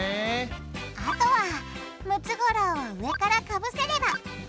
あとはムツゴロウを上からかぶせれば完成！